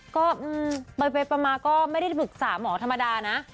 ก็ไปมาก็ไม่ได้ฝึกศาสตร์หมอธรรมดานะ